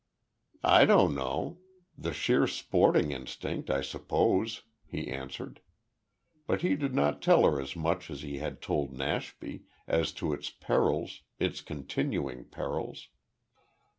"I don't know. The sheer sporting instinct, I suppose," he answered. But he did not tell her as much as he had told Nashby, as to its perils its continuing perils.